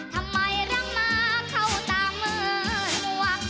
ทำไมรักมาเข้าตาเหมือนนัว